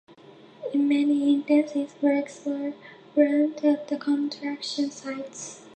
In many instances, bricks were "burnt" at the construction sites.